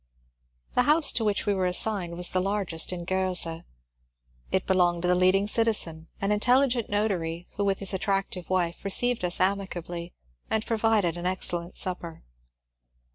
The house to which we were assigned was the largest in Gorze. It belonged to the leading citizen, an intelligent notary, who, with his attractive wife, received us amicably, and provided an excellent supper.